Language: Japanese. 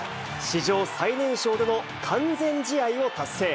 史上最年少での完全試合を達成。